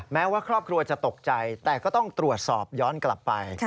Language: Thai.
แม้ว่าครอบครัวจะตกใจแต่ก็ต้องตรวจสอบย้อนกลับไป